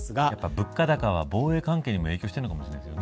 物価高は防衛関係にも影響してるかもしれませんね。